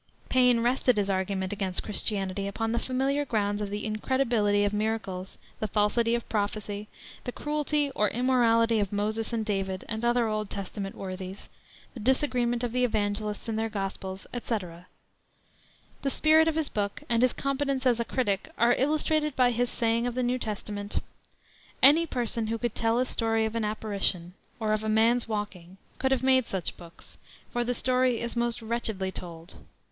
Paine rested his argument against Christianity upon the familiar grounds of the incredibility of miracles, the falsity of prophecy, the cruelty or immorality of Moses and David and other Old Testament worthies, the disagreement of the evangelists in their gospels, etc. The spirit of his book and his competence as a critic are illustrated by his saying of the New Testament: "Any person who could tell a story of an apparition, or of a man's walking, could have made such books, for the story is most wretchedly told.